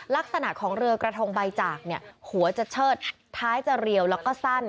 ลักษณะของเรือกระทงใบจากหัวจะเชิดท้ายจะเรียวแล้วก็สั้น